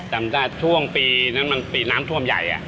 จำได้ช่วงปีนั้นมันปีน้ำท่วมใหญ่